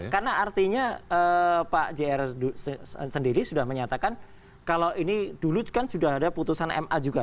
karena artinya pak jr sendiri sudah menyatakan kalau ini dulu kan sudah ada putusan ma juga